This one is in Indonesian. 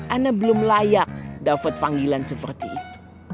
ana belum layak dapet panggilan seperti itu